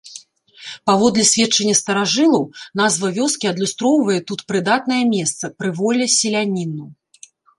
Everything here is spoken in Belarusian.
Паводле сведчання старажылаў, назва вёскі адлюстроўвае тут прыдатнае месца, прыволле селяніну.